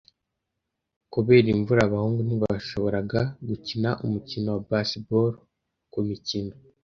Kubera imvura, abahungu ntibashoboraga gukina umukino wa baseball kumikino.